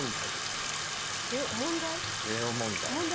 レオ問題。